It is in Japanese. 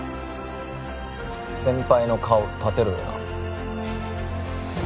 先輩の顔立てろよな